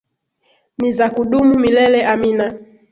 Nizakudumu milele amina.